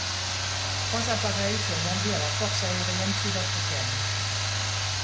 Trois appareils furent vendus à la force aérienne sud-africaine.